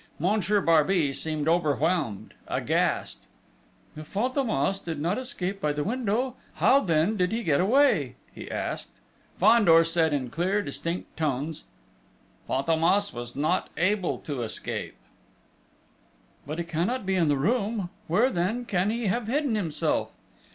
Monsieur Barbey seemed overwhelmed aghast. "If Fantômas did not escape by the window, how then did he get away?" he asked. Fandor said in clear, distinct tones: "Fantômas was not able to escape!..." "But he cannot be in the room?... Where, then, can he have hidden himself?"